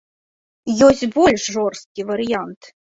Ёсць больш жорсткі варыянт.